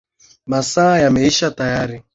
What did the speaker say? Masaa yameisha tayari.